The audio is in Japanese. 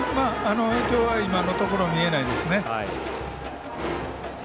影響は今のところ見えないですね。